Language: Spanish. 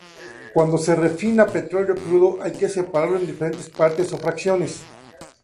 Cuando se refina "petróleo crudo", hay que separarlo en diferentes partes, o fracciones.